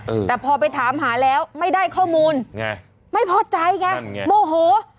เออแต่พอไปถามหาแล้วไม่ได้ข้อมูลไงไม่พอใจไงโมโห